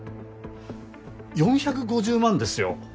４５０万ですよ。